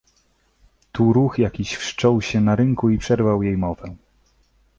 "Tu ruch jakiś wszczął się na rynku i przerwał jej mowę."